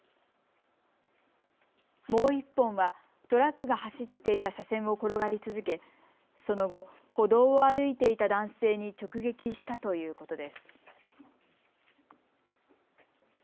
もう１本はトラックが走っていた車線を転がり続けその後、歩道を歩いていた男性に直撃したということです。